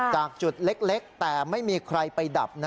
จากจุดเล็กแต่ไม่มีใครไปดับ